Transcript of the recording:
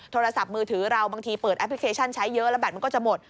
โทรศัพท์มือถือเราบางทีเปิดแอปพลิเคชันใช้เยอะแล้วแบตมันก็จะหมด